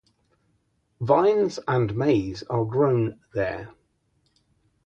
Vines and maize are grown there.